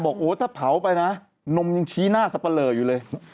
บอกว่าถ้าเผาไปนะนมยังชี้หน้าสำหรับเลย